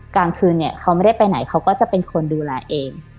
กลางคืนเนี่ยเขาไม่ได้ไปไหนเขาก็จะเป็นคนดูแลเอง